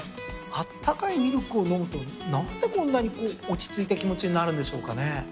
あったかいミルクを飲むと何でこんなにこう落ち着いた気持ちになるんでしょうかね。